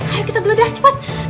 ayo kita geledah cepat